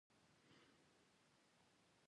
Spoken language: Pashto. غوماشې له انسان سره ښکارېږي، خو ژر پټېږي.